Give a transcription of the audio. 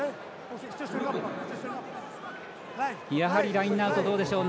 ラインアウト、どうでしょう。